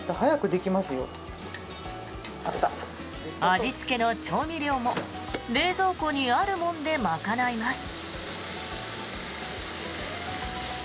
味付けの調味料も冷蔵庫にあるもんで賄います。